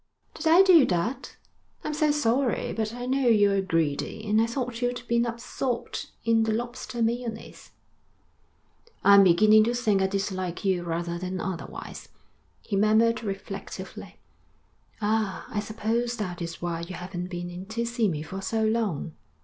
'Did I do that? I'm so sorry. But I know you're greedy, and I thought you'd be absorbed in the lobster mayonnaise.' 'I'm beginning to think I dislike you rather than otherwise,' he murmured reflectively. 'Ah, I suppose that is why you haven't been in to see me for so long.'